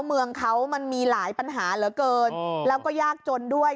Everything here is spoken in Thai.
เมืองเขามันมีหลายปัญหาเหลือเกินแล้วก็ยากจนด้วย